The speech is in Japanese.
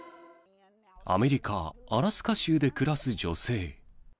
アメリカ・アラスカ州で暮らす女性。